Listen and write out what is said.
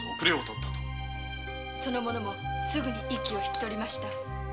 その者もすぐ息を引き取りました。